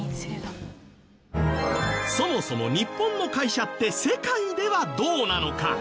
そもそも日本の会社って世界ではどうなのか？